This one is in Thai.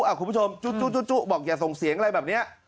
คุณผู้ชมจุ๊บอกอย่าส่งเสียงอะไรแบบนี้